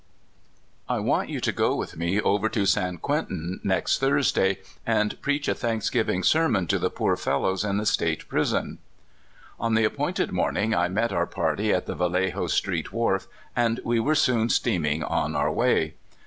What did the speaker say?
1WANT you to go with me over to San Quentin next Thursday, and preach a thanksgiving ser mon to the poor fellows in the State prison." On the appointed morning I met our party at the Vallejo Street wharf, and we were soon steaming on our way.